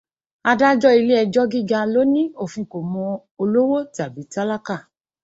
Adájọ́ Ilé ẹjọ́ gíga ló ní òfin kò mọ olówó tàbí tálákà